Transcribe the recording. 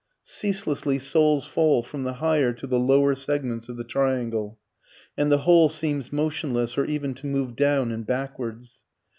Ceaselessly souls fall from the higher to the lower segments of the triangle, and the whole seems motionless, or even to move down and backwards.